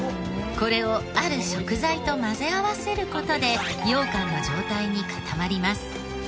これをある食材と混ぜ合わせる事でようかんの状態に固まります。